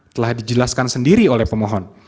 telah dijelaskan sendiri oleh pemohon